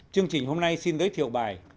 chương trình hôm nay xin giới thiệu bài